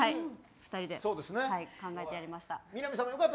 ２人で考えてやりました。